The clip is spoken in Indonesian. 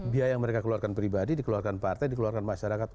biaya yang mereka keluarkan pribadi dikeluarkan partai dikeluarkan masyarakat